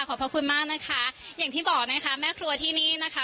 พระคุณมากนะคะอย่างที่บอกนะคะแม่ครัวที่นี่นะคะ